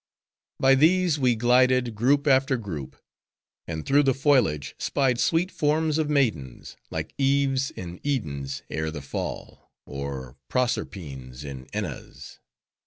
By these we glided, group after group; and through the foliage, spied sweet forms of maidens, like Eves in Edens ere the Fall, or Proserpines in Ennas.